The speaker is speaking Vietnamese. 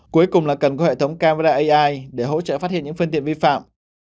cuối cùng là cần có hệ thống camera ai để hỗ trợ phát hiện những phương tiện vi phạm